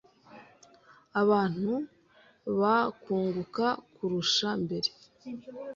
abantu bakunguka kurusha mbere